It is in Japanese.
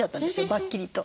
バッキリと。